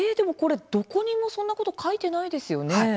どこにもそんなこと書いてないですよね。